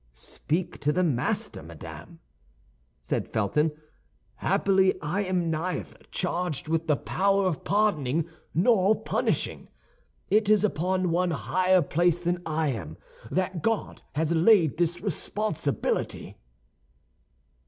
"Speak to the master, madame," said Felton; "happily I am neither charged with the power of pardoning nor punishing. It is upon one higher placed than I am that God has laid this responsibility."